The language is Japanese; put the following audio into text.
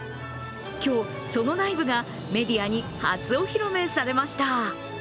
今日、その内部がメディアに初お披露目されました。